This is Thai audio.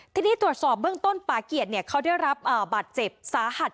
ทีนี้ตรวจสอบเบื้องต้นป่าเกียจเขาได้รับบาดเจ็บสาหัส